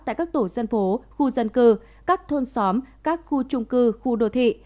tại các tổ dân phố khu dân cư các thôn xóm các khu trung cư khu đô thị